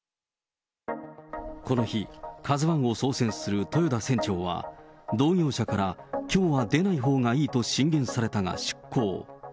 この日、カズワンを操船する豊田船長は、同業者からきょうは出ないほうがいいと進言されたが出航。